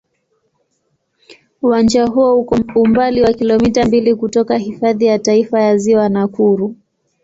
Uwanja huo uko umbali wa kilomita mbili kutoka Hifadhi ya Taifa ya Ziwa Nakuru.